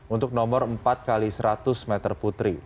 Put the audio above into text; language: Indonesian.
untuk nomor empat x seratus meter putri